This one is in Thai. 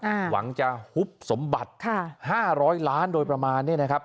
หวังจะหุบสมบัติค่ะห้าร้อยล้านโดยประมาณเนี้ยนะครับ